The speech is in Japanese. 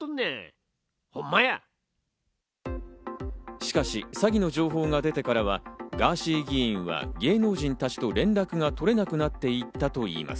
しかし詐欺の情報が出てからはガーシー議員は芸能人たちと連絡が取れなくなっていったといいます。